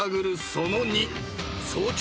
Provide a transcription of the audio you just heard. その２］